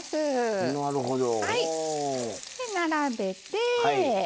並べて。